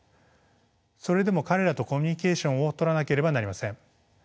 それでも彼らとコミュニケーションをとらなければなりません。